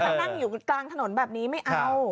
นั่งอยู่กลางถนนแบบนี้ไม่เอา